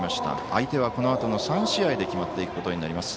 相手はこのあとの３試合で決まっていくことになります。